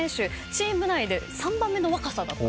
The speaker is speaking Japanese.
チーム内で３番目の若さだった。